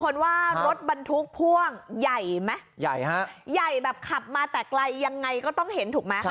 คนว่ารถบรรทุกพ่วงใหญ่ไหมใหญ่ฮะใหญ่แบบขับมาแต่ไกลยังไงก็ต้องเห็นถูกไหม